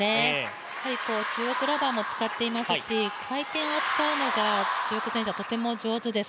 中国ラバーも使っていますし、回転を使うのが中国選手がとても上手です。